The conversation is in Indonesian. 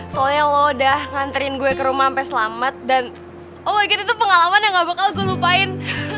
soalnya lo udah nganterin gue ke rumah sampe selamat dan oh my god itu pengalaman yang gak bakal gue lupain